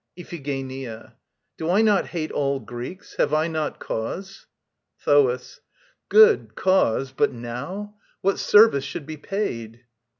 IPHIGENIA. Do I not hate all Greeks? Have I not cause? THOAS. Good cause. But now ... What service should be paid?